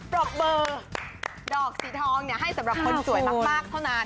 ปรบเบอร์ดอกสีทองให้สำหรับคนสวยมากเท่านั้น